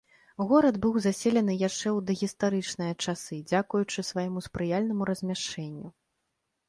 Горад быў заселены яшчэ ў дагістарычныя часы, дзякуючы свайму спрыяльнаму размяшчэнню.